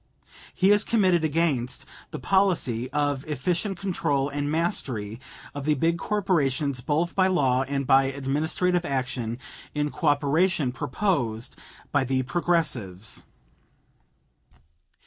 He is committed against the policy (of efficient control and mastery of the big corporations both by law and by administrative action in cooperation) proposed by the Progressives.